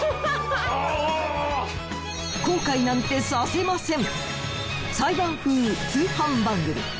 後悔なんてさせません。